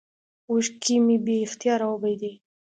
اوښكې مې بې اختياره وبهېدې.